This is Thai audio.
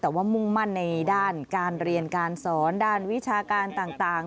แต่ว่ามุ่งมั่นในด้านการเรียนการสอนด้านวิชาการต่าง